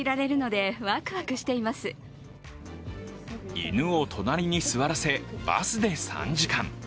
犬を隣に座らせバスで３時間。